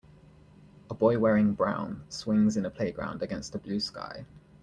A boy wearing brown swings in a playground against a blue sky.